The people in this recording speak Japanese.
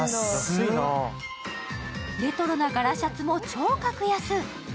レトロな柄シャツも超格安。